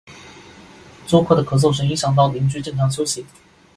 租客的咳嗽声影响到邻居正常休息